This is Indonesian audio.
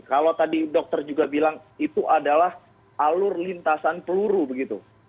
kalau tadi dokter juga bilang itu adalah alur lintasan peluru begitu